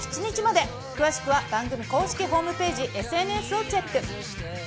詳しくは番組公式ホームページＳＮＳをチェック！